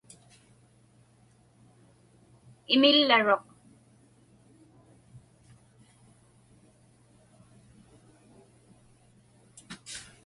Imillaruq.